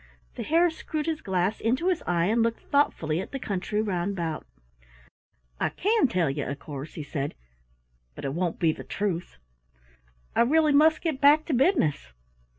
The Hare screwed his glass into his eye and looked thoughtfully at the country round about. "I can tell you, of course," he said, "but it won't be the truth. I really must get back to business."